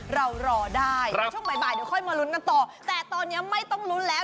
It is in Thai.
รอได้ช่วงบ่ายเดี๋ยวค่อยมาลุ้นกันต่อแต่ตอนนี้ไม่ต้องลุ้นแล้ว